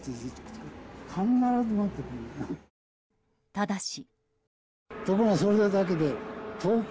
ただし。